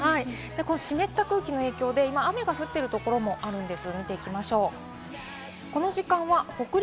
湿った空気の影響で雨が降っているところもあるんです。